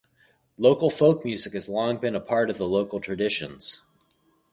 Local folk music has long been a part of the local traditions.